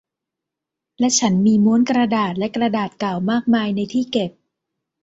และฉันมีม้วนกระดาษและกระดาษเก่ามากมายในที่เก็บ